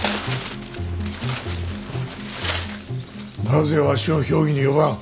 なぜわしを評議に呼ばん。